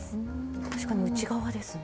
確かに内側ですね